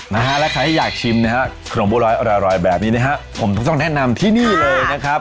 นะฮะและใครที่อยากชิมนะฮะขนมบัวร้อยอร่อยแบบนี้นะฮะผมต้องแนะนำที่นี่เลยนะครับ